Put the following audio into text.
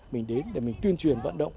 mình đến để mình tuyên truyền vận động